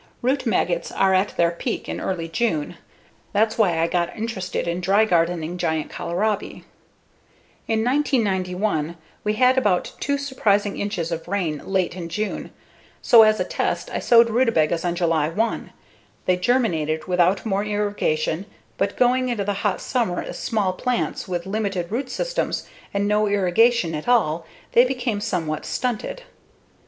Root maggots are at their peak in early June. That's why I got interested in dry gardening giant kohlrabi. In 1991 we had about 2 surprising inches of rain late in June, so as a test I sowed rutabagas on July 1. They germinated without more irrigation, but going into the hot summer as small plants with limited root systems and no irrigation at all they became somewhat stunted.